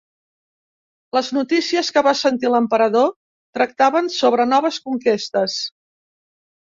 Les notícies que va sentir l'emperador tractaven sobre noves conquestes.